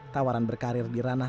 tawaran berkarir di ranah